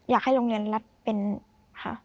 อยากให้โรงเรียนรัฐเป็นค่ะ